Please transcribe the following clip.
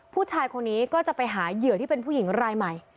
ผู้ชายคนนี้ก็จะไปหาเหยื่อที่เป็นผู้หญิงรายใหม่